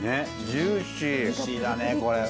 ジューシーだねこれ。